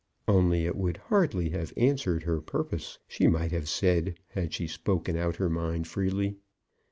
Only it would hardly have answered her purpose, she might have said, had she spoken out her mind freely.